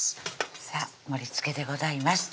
さぁ盛りつけでございます